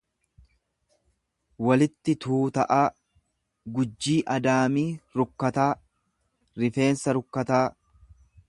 walitti tuuta'aa, gujjii Adaamii rukkataa Rifeensa rukkataa.